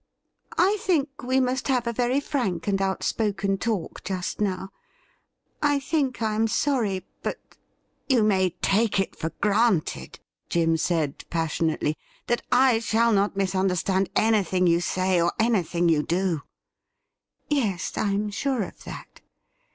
I think we must have a very frank and outspoken talk just now. I think I am sorry — ^but ""' You may take it for granted,' Jim said passionately, ' that I shall not misunderstand anything you say or any thing you do ^' Yes, I am sure of that.